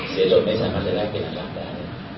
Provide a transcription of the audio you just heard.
เสียจนไม่สามารถจะแลกเปลี่ยนอากาศได้เลย